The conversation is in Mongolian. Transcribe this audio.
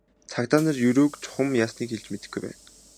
Цагдаа нар Ерөөг чухам яасныг хэлж мэдэхгүй байна.